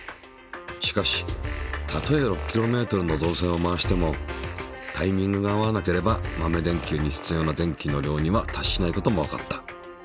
しかしたとえ６ｋｍの導線を回してもタイミングが合わなければ豆電球に必要な電気の量には達しないこともわかった。